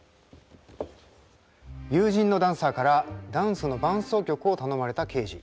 友人のダンサーからダンスの伴奏曲を頼まれたケージ。